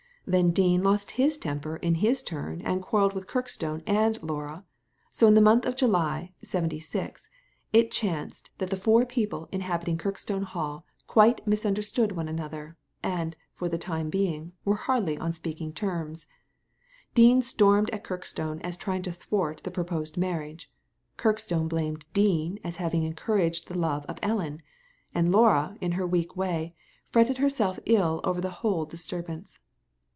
Then Dean lost his temper in his turn, and quarrelled with Kirkstone and Laura ; so in the month of July, '76, it chanced that the four people inhabiting Kirk stone Hall quite misunderstood one another, and, for the time being, were hardly on speaking terms. Dean stormed at Kirkstone as trying to thwart the pro posed marriage ; Kirkstone blamed Dean as having encouraged the love of Ellen ; and Laura, in her weak way, fretted herself ill over the whole dis turbance.